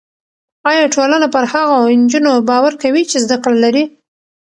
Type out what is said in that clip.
ایا ټولنه پر هغو نجونو باور کوي چې زده کړه لري؟